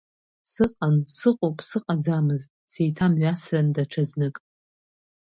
Сыҟан, сыҟоуп, сыҟаӡамызт, сеиҭамҩасрын даҽа знык.